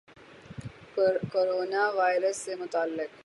corona virus سے متعلق